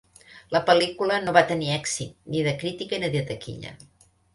La pel·lícula no va tenir èxit ni de crítica ni de taquilla.